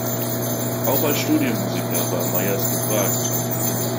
Auch als Studiomusiker war Meyers gefragt.